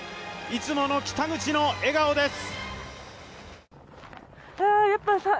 いつもの北口の笑顔です。